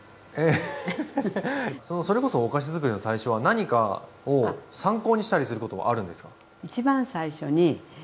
それこそお菓子づくりの最初は何かを参考にしたりすることはあるんですか？